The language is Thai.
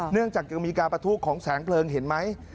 เนื่องจากยังมีการประทุของแสงเพลิงเห็นไหม